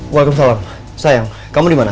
waalaikumsalam sayang kamu dimana